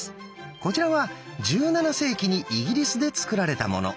こちらは１７世紀にイギリスで作られたもの。